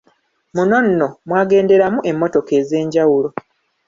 Muno nno mwagenderamu emmmotoka ez’enjawulo.